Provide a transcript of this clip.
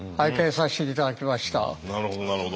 なるほどなるほど。